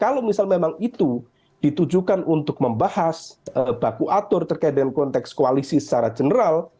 kalau misal memang itu ditujukan untuk membahas baku atur terkait dengan konteks koalisi secara general